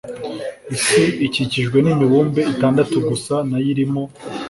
isi ikikijwe nimibumbe itandatu gusa nayo irimo